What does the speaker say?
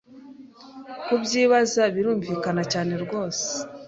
Kubyibaza birumvikana cyane rwose